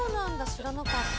知らなかった。